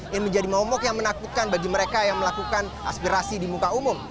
yang menjadi momok yang menakutkan bagi mereka yang melakukan aspirasi di muka umum